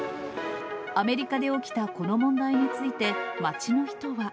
アメリカで起きたこの問題について、街の人は。